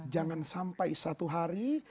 jangan sampai satu hari